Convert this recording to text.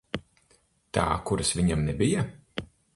Tā, kuras viņam nebija?